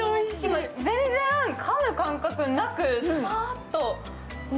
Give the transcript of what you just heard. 今、全然かむ感覚なくサーッと。